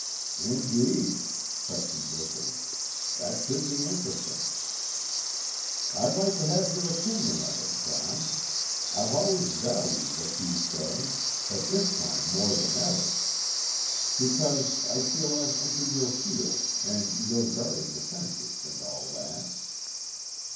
"Indeed!" Cressy bristled. "That should be interesting." "I'd like to have your opinion of it, John. I've always valued what you say, but this time more than ever. Because I feel I've entered your field and you're guarding the fences and all that."